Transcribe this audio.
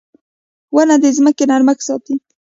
• ونه د ځمکې نرمښت ساتي.